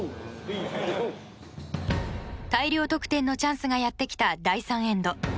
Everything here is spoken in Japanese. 大量得点のチャンスがやってきた第３エンド。